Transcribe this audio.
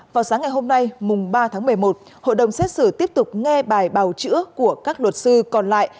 vào sáng ngày hôm nay mùng ba tháng một mươi một hội đồng xét xử tiếp tục nghe bài bào chữa của các luật sư còn lại